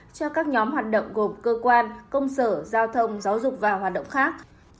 cho các nhóm hoạt động gồm cơ quan công sở giao thông giáo dục và hoạt động khác